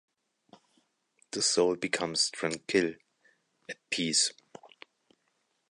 The soul becomes tranquil, at peace.